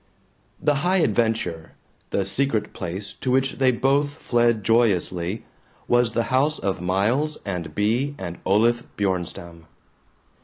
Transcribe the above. The high adventure, the secret place to which they both fled joyously, was the house of Miles and Bea and Olaf Bjornstam.